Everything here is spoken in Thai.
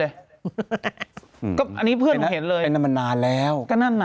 เลยคุณพูดเห็นเลยไม่นานแล้ว